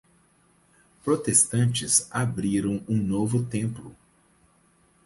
Protestantes abriram um novo templo.